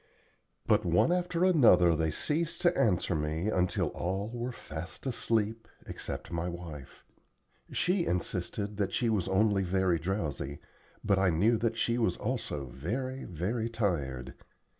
But one after another they ceased to answer me until all were fast asleep except my wife. She insisted that she was only very drowsy, but I knew that she was also very, very tired.